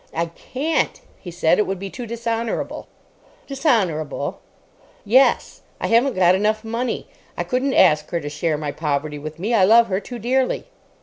"I can't," he said. "It would be too dishonourable." "Dishonourable?" "Yes. I haven't got enough money. I couldn't ask her to share my poverty with me. I love her too dearly."